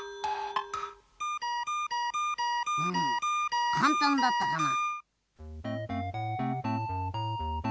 うんかんたんだったかな。